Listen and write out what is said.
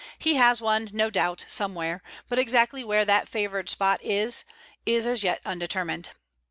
He has one, no doubt, somewhere, but exactly where that favored spot is, is as yet undetermined.